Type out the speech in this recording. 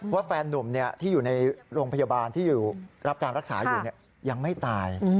แฟนนุ่มที่อยู่ในโรงพยาบาลที่รับการรักษาอยู่ยังไม่ตาย